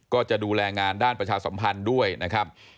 ก็จะดูแลงานด้านประชาสัมพันธ์ด้วยนะครับ